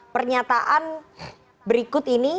pernyataan berikut ini